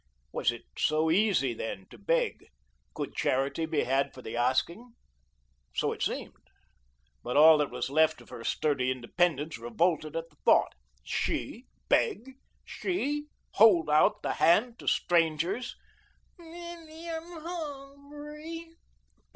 Was it so easy, then, to beg? Could charity be had for the asking? So it seemed; but all that was left of her sturdy independence revolted at the thought. SHE beg! SHE hold out the hand to strangers!